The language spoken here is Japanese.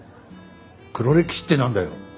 黒歴史ってなんだよ！